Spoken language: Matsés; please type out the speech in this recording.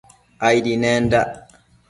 Aidi nendac